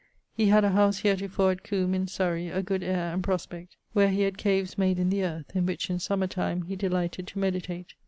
He had a house heretofore at Combe, in Surrey, a good aire and prospect, where he had caves made in the earth, in which in summer time he delighted to meditate.